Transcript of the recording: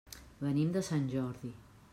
Venim de Sant Jordi.